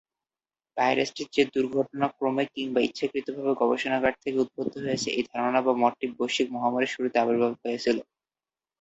ভাইরাসটি যে দুর্ঘটনাক্রমে কিংবা ইচ্ছাকৃতভাবে গবেষণাগার থেকে উদ্ভূত হয়েছে, এই ধারণা বা মতটি বৈশ্বিক মহামারীর শুরুতেই আবির্ভূত হয়েছিল।